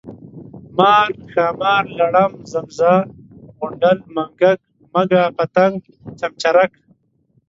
مار، ښامار ، لړم، زمزه، غونډل، منږک ، مږه، پتنګ ، چمچرک،